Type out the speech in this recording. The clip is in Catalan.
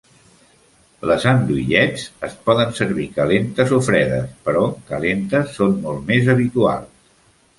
Les andouillettes es poden servir calentes o fredes, però calentes són molt més habituals.